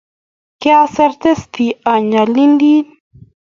kiasir testi anyalilii